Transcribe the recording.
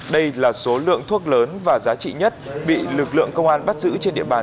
đây là số lượng thuốc lớn và giá trị nhất bị lực lượng công an bắt giữ trên địa bàn